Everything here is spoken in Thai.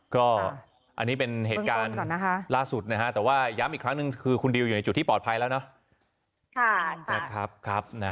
ก็อันนี้เป็นเหตุการณ์ล่าสุดนะฮะแต่ว่าย้ำอีกครั้งหนึ่งคือคุณดิวอยู่ในจุดที่ปลอดภัยแล้วนะ